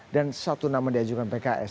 dan satu nama diajukan pks